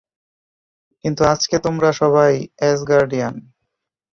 কিন্তু আজকে তোমরা সবাই অ্যাসগার্ডিয়ান।